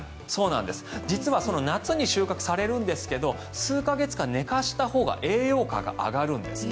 実は夏に収穫されるんですが数か月間寝かしたほうが栄養価が上がるんです。